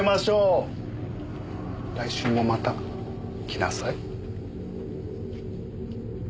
来週もまた来なさい。